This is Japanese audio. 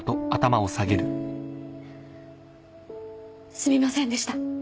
すみませんでした。